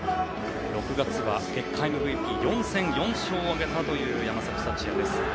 ６月は月間ＭＶＰ４戦４勝を挙げたという山崎福也です。